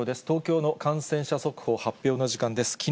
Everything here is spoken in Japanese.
東京の感染者速報、発表の時間です。